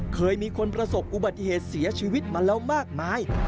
เคยมีคนประสบอุบัติเหตุเสียชีวิตมาแล้วมากมาย